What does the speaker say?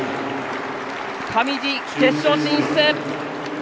上地、決勝進出！